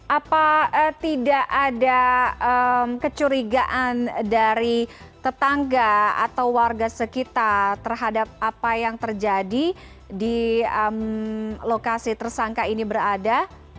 apa tidak ada kecurigaan dari tetangga atau warga sekitar terhadap apa yang terjadi di lokasi tersangka ini berada